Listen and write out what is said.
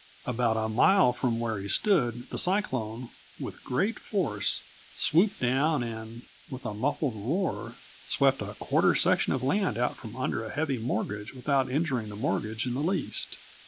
About a mile from where he stood the cyclone, with great force, swooped down and, with a muffled roar, swept a quarter section of land out from under a heavy mortgage without injuring the mortgage in the least.